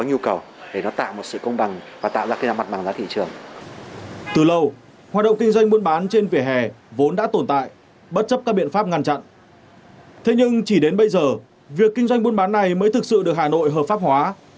nhưng bây giờ việc kinh doanh buôn bán này mới thực sự được hà nội hợp pháp hóa